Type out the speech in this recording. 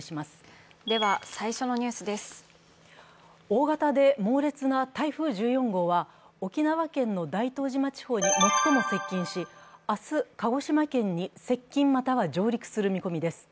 大型で猛烈な台風１４号は、沖縄県の大東島地方に最も接近し、明日、鹿児島県に接近または上陸する見込みです。